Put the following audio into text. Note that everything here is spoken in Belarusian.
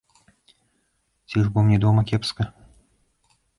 Ці ж бо мне дома кепска?